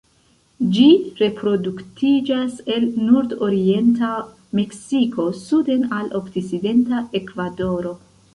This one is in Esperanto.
Ĝi reproduktiĝas el nordorienta Meksiko suden al okcidenta Ekvadoro.